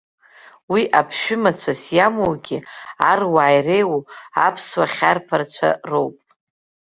Уи аԥшәымацәас иамоугьы аруаа иреиуоу аԥсуа хьарԥарцәа роуп.